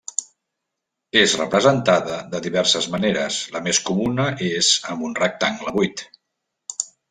És representada de diverses maneres, la més comuna és amb un rectangle buit.